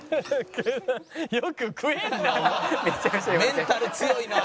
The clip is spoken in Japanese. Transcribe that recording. メンタル強いなあ！